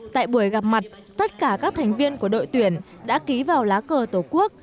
tại buổi gặp mặt tất cả các thành viên của đội tuyển đã ký vào lá cờ tổ quốc